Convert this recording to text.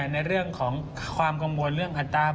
ในเรื่องของความกำวนเรื่องผลตอบ